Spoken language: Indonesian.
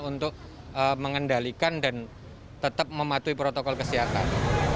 untuk mengendalikan dan tetap mematuhi protokol kesehatan